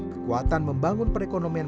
kekuatan membangun perekonomian